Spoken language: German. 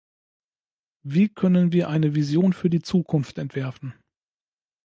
Wie können wir eine Vision für die Zukunft entwerfen?